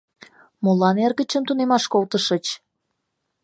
Молан эргычым тунемаш колтышыч?